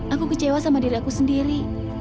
aku kecewa sama diri aku sendiri